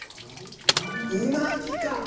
うなぎか。